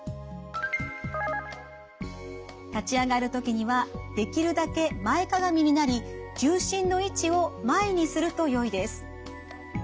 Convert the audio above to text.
立ち上がるときにはできるだけ前屈みになり重心の位置を前にするとよいです。